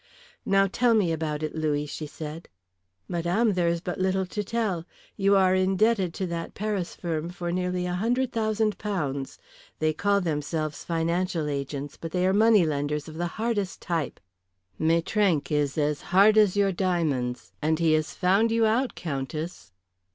"Now tell me about it, Louis," she said. "Madame, there is but little to tell. You are indebted to that Paris firm for nearly a hundred thousand pounds. They call themselves financial agents, but they are moneylenders of the hardest type. Maitrank is as hard as your diamonds. And he has found you out, Countess."